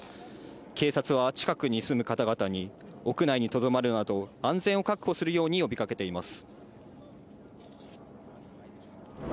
警察は近くに住む方々に、屋内にとどまるなど安全を確保するように呼びかけています。